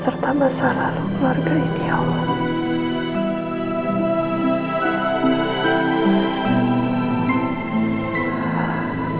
serta masa lalu keluarga ini allah